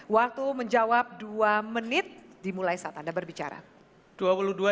waktu menjawab dua menit dimulai saat anda berbicara